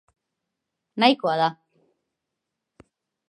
Nahikoa da.